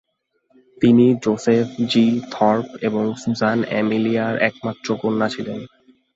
তিনি Joseph G. Thorpe এবং Susan এমেলিয়ার একমাত্র কন্যা ছিলেন।